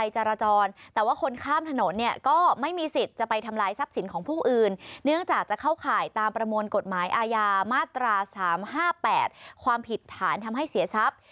ความผิดฐานทำให้เสียทรัพย์